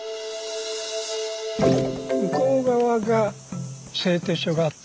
向こう側が製鐵所があった。